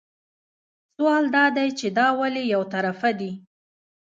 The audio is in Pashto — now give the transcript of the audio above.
سوال دا دی چې دا ولې یو طرفه دي.